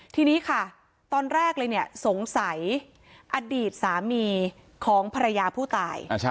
ทีนี้ค่ะตอนแรกเลยเนี่ยสงสัยอดีตสามีของภรรยาผู้ตาย